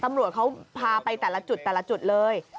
ตำรวจเขาพาไปแต่ละจุดเลย